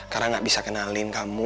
karena gak bisa kenalin kamu